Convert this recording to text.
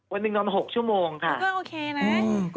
วันหนึ่งนอน๖ชั่วโมงค่ะ